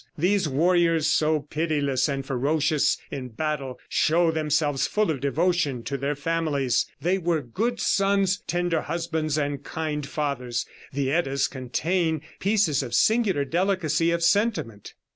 These warriors, so pitiless and ferocious in battle, show themselves full of devotion to their families. They were good sons, tender husbands and kind fathers. The Eddas contain pieces of singular delicacy of sentiment."